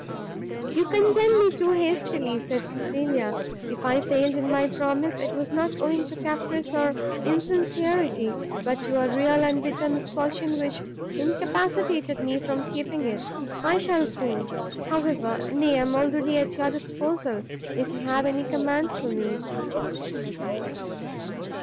"You condemn me too hastily," said Cecilia; "if I failed in my promise, it was not owing to caprice or insincerity, but to a real and bitter misfortune which incapacitated me from keeping it. I shall soon, however, nay, I am already at your disposal, if you have any commands for me."